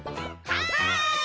はい！